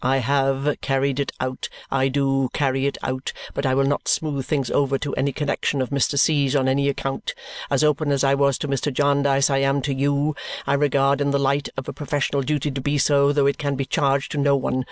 I HAVE carried it out; I do carry it out. But I will not smooth things over to any connexion of Mr. C.'s on any account. As open as I was to Mr. Jarndyce, I am to you. I regard it in the light of a professional duty to be so, though it can be charged to no one.